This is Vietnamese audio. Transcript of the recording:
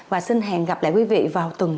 và xin hẹn gặp lại quý vị vào tuần sau